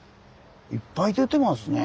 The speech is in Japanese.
いっぱい出てますね。